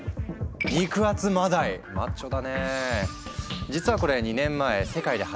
肉厚マダイマッチョだね。